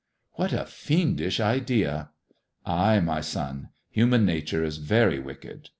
" What a fiendish idea !"" Ay, my son : human nature is very wicked.